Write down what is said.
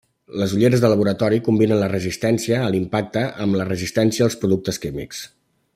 Les ulleres de laboratori combinen la resistència a l'impacte amb la resistència als productes químics.